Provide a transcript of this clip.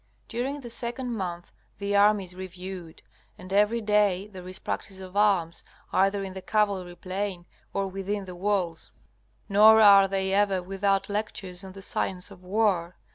During the second month the army is reviewed, and every day there is practice of arms, either in the cavalry plain or within the walls. Nor are they ever without lectures on the science of war.